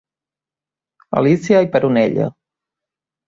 Alícia i Peronella.